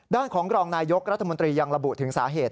ด้านของรองนายกรัฐมนตรียังระบุถึงสาเหตุ